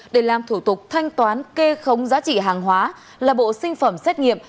để làm thủ tục thanh toán kê khống giá trị hàng hóa là bộ sinh phẩm xét nghiệm